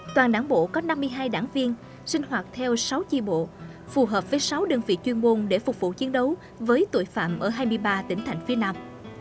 toàn đảng bộ có năm mươi hai đảng viên sinh hoạt theo sáu chi bộ phù hợp với sáu đơn vị chuyên môn để phục vụ chiến đấu với tội phạm ở hai mươi ba tỉnh thành phía nam